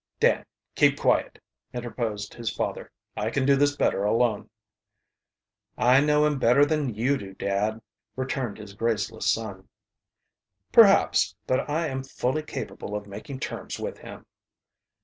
"Dan, keep quiet," interposed his father. "I can do this better alone." "I know him better than you do, dad," returned his graceless son. "Perhaps, but I am fully capable of making terms with him."